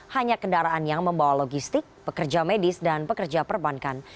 hanya kendaraan yang membawa logistik pekerja medis dan pekerja perbankan